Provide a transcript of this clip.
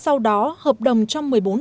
sau đó hợp đồng cho một mươi đồng